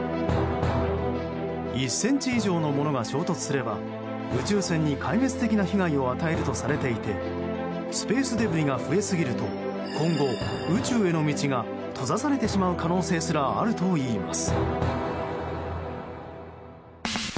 １ｃｍ以上のものが衝突すれば宇宙船に壊滅的な被害を与えるとされていてスペースデブリが増えすぎると今後、宇宙への道が閉ざされてしまう可能性すらあるといいます。